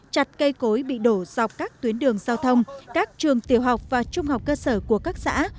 chặt cây cối bị đổ dọc các tuyến đường giao thông các trường tiểu học và trung học cơ sở của các xã